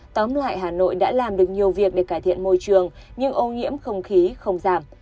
tóm lại hà nội đã làm được nhiều việc để cải thiện môi trường nhưng ô nhiễm không khí không giảm